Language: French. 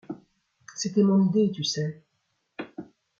C’était mon idée, tu sais. ..